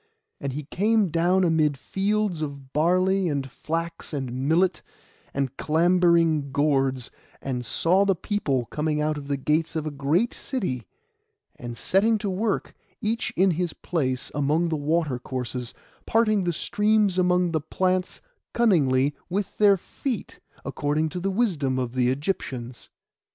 And he came down amid fields of barley, and flax, and millet, and clambering gourds; and saw the people coming out of the gates of a great city, and setting to work, each in his place, among the water courses, parting the streams among the plants cunningly with their feet, according to the wisdom of the Egyptians.